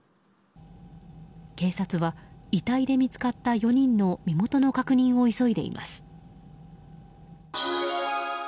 警察は遺体で見つかった４人の身元の確認を急いでいます。